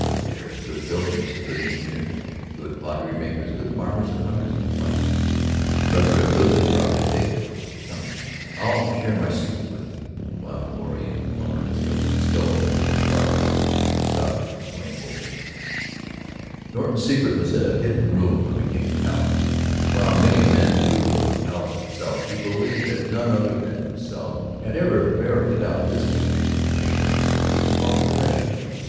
But they were good builders, good engineers, good pottery makers, good farmers and hunters and fighters; rather a goodly crowd, I take it. Come, and I'll share my secret with you while Florrie and Elmer discover the skeleton a little farther on and stop to exclaim over it." [Illustration: "Come, and I'll share my secret with you."] Norton's secret was a hidden room of the King's Palace. While many men knew of the Palace itself, he believed that none other than himself had ever ferreted out this particular chamber which he called the Treasure Chamber.